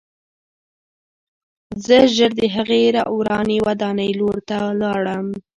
زه ژر د هغې ورانې ودانۍ لور ته لاړم